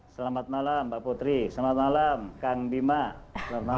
selamat malam pak putri selamat malam kang bima selamat malam